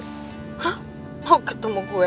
hah mau ketemu gue